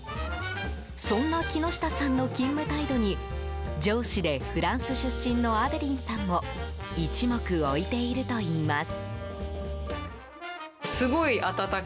そんな木下さんの勤務態度に上司でフランス出身のアデリンさんも一目置いているといいます。